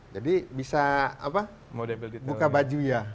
jadi bisa apa buka bajunya